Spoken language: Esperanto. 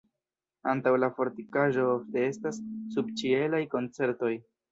Antaŭ la fortikaĵo ofte estas subĉielaj koncertoj.